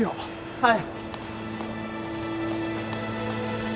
はい！